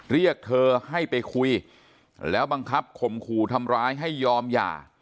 เรียกเธอให้ไปคุยแล้วบังคับข่มขู่ทำร้ายให้ยอมหย่า